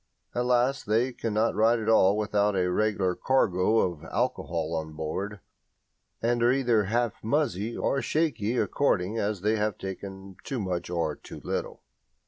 At last they cannot ride at all without a regular cargo of alcohol on board, and are either "half muzzy" or shaky according as they have taken too much or too little.